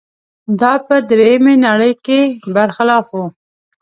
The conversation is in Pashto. دا په درېیمې نړۍ کې برخلاف و.